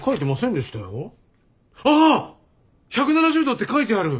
１７０度って書いてある。